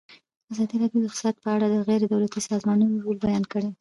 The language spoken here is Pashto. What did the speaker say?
ازادي راډیو د اقتصاد په اړه د غیر دولتي سازمانونو رول بیان کړی.